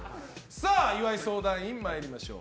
岩井相談員、参りましょう。